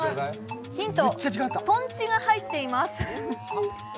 ヒント、とんちが入っています。